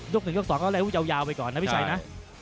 ยุคสี่ยุคสองก็เลยยาวไปก่อนนะพี่ชัยนะ